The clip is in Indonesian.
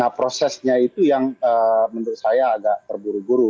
nah prosesnya itu yang menurut saya agak terburu buru